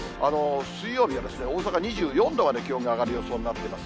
水曜日は大阪２４度まで気温が上がる予想になっています。